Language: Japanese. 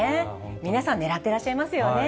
皆さん狙ってらっしゃいますよね。